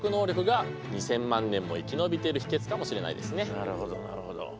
なるほどなるほど。